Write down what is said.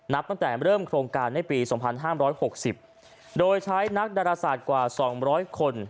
นับตั้งแต่เริ่มโครงการในปีสองพันห้ามร้อยหกสิบโดยใช้นักดาราศาสตร์กว่าสองร้อยคน